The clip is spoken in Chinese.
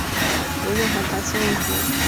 无任何排斥问题